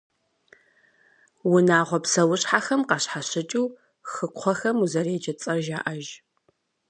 Унагъуэ псэущхьэхэм къащхьэщыкӏыу, хыкхъуэхэм узэреджэ цӏэр жаӏэж.